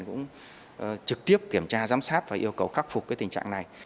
cũng trực tiếp kiểm tra giám sát và yêu cầu khắc phục cái tình trạng này